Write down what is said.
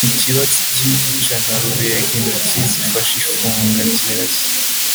ikibatsi kiyicana rubegaintoki zifashe igifunga zirashya